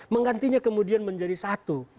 menggantinya kemudian menjadi satu